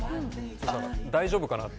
大丈夫かな？って。